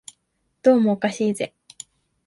どうもおかしいぜ